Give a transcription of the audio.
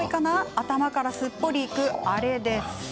頭から、すっぽりいく、あれです。